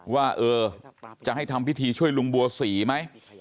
ว่าจะให้ทำพิธีช่วยลุงบัวศรีไหม